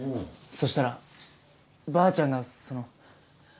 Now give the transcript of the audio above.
そしたらばあちゃんがその。